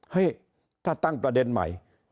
ให้ถ้าตั้งประเด็นใหม่